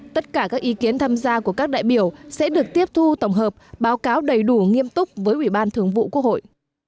tất cả các ý kiến tham gia của các đại biểu sẽ được tiếp thu tổng hợp báo cáo đầy đủ nghiêm túc với ủy ban thường vụ quốc hội